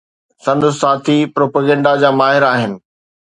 سندس ساٿي پروپيگنڊا جا ماهر آهن.